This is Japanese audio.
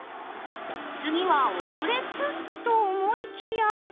次はオムレツ？と思いきや。